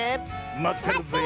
まってるぜえ。